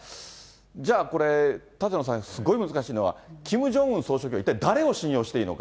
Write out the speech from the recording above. じゃあこれ、舘野さん、すっごい難しいのは、キム・ジョンウン総書記は、一体誰を信用していいのか。